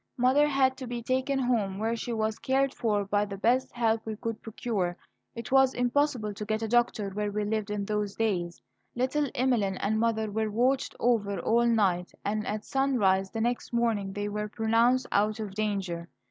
Mother had to be taken home, where she was cared for by the best help we could procure. It was impossible to get a doctor where we lived in those days. Little Emeline and mother were watched over all night, and at sunrise the next morning they were pronounced out of danger.